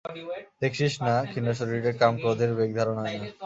দেখছিস না, ক্ষীণ শরীরে কাম-ক্রোধের বেগধারণ হয় না।